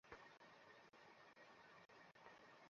নিজের কর্তব্যের কথা স্মরণে রেখো!